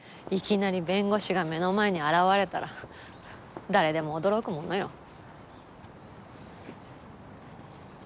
いきなり弁護士が目の前に現れたら誰でも驚くものよ。